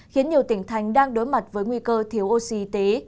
khiến nhiều tỉnh thành đang đối mặt với nguy cơ thiếu oxy y